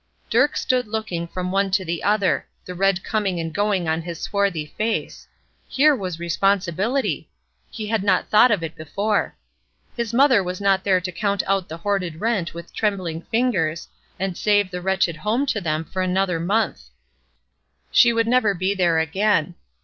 Dirk stood looking from one to the other; the red coming and going on his swarthy face. Here was responsibility! He had not thought of it before. The mother was not there to count out the hoarded rent with trembling fingers, and save the wretched home to them for another month. She would never be there again.